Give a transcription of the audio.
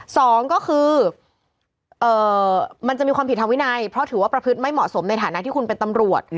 สองก็คือมันจะมีความผิดทางวินัยเพราะถือว่าประพฤติไม่เหมาะสมในฐานะที่คุณเป็นตำรวจ